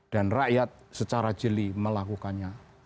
dan rakyat secara jeli melakukannya